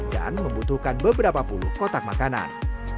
dan membutuhkan beberapa puluh kotak makanan